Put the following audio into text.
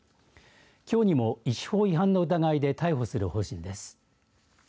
きょうにも医師法違反の疑いで逮捕する方針です。